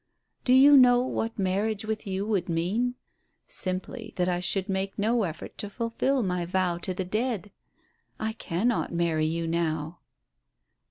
Do you know what marriage with you would mean? Simply that I should make no effort to fulfil my vow to the dead. I cannot marry you now."